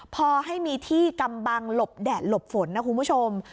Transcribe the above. พอให้มีที่กำบังหลบแดดหลบฝนนะคุณผู้ชม